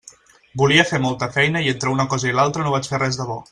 Volia fer molta feina i entre una cosa i l'altra no vaig fer res de bo.